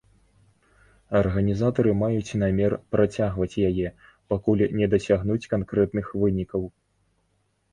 Арганізатары маюць намер працягваць яе, пакуль не дасягнуць канкрэтных вынікаў.